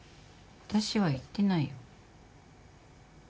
あたしは言ってないよ。